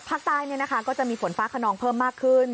ภาคใต้ก็จะมีฝนฟ้าขนองเพิ่มมากขึ้น